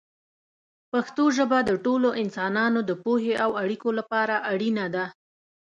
پښتو ژبه د ټولو انسانانو د پوهې او اړیکو لپاره اړینه ده.